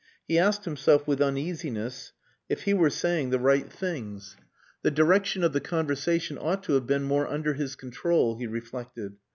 He asked himself, with uneasiness, if he were saying the right things. The direction of the conversation ought to have been more under his control, he reflected.